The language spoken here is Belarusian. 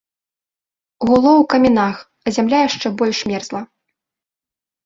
Гуло ў камінах, а зямля яшчэ больш мерзла.